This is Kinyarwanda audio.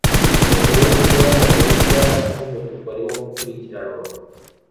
Umukinnyi wumupira wamaguru wibara ryumutuku arimo gukurikiranwa